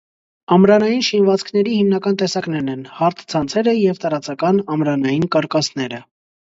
Ամրանային շինվածքների հիմնական տեսակներն են՝ հարթ ցանցերը և տարածական ամրանային կարկասները։